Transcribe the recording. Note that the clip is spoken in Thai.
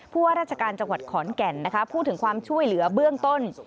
ว่าราชการจังหวัดขอนแก่นนะคะพูดถึงความช่วยเหลือเบื้องต้น